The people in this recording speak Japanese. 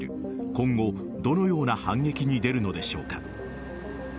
今後どのような反撃に出るのでしょうか。